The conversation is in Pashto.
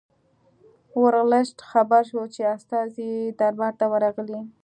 ورلسټ خبر شو چې استازي دربار ته ورغلي.